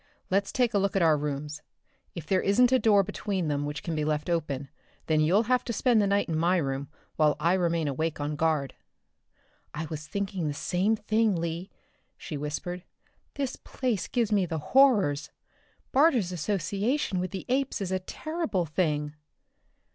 Let's take a look at our rooms. If there isn't a door between them which can be left open, then you'll have to spend the night in my room while I remain awake on guard." "I was thinking of the same thing, Lee," she whispered. "This place gives me the horrors. Barter's association with the apes is a terrible thing."